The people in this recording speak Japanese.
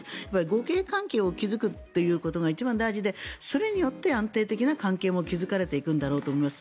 互恵関係を築くことが一番大事でそれによって安定的な関係も築かれていくんだろうと思います。